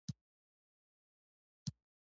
تعلیم نجونو ته د تاریخي اثارو ارزښت ور پېژني.